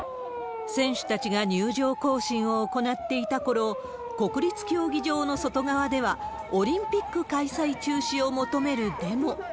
選手たちが入場行進を行っていたころ、国立競技場の外側では、オリンピック開催中止を求めるデモ。